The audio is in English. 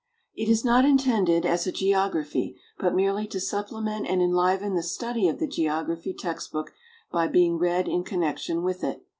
It is not intended as a geography, but merely to supple ment and enliven the study of the geography text book ^ by being read in connection with it.